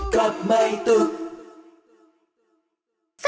กลับมาให้ตุ๊ก